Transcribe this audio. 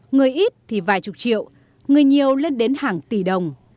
người ít thì vài chục triệu người nhiều lên đến hàng tỷ đồng